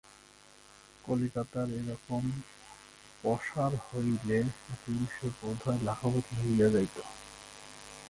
কলিকাতায় এরকম পশার হইলে এতদিনে সে বোধ হয় লাখপতি হইয়া যাইত।